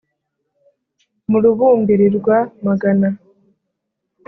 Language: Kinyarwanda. mu rubumbirirwa-magana.